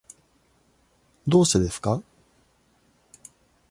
どうしてですか。